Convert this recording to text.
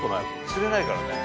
釣れないからね。